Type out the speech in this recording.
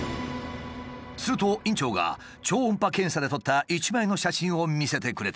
すると院長が超音波検査で撮った一枚の写真を見せてくれた。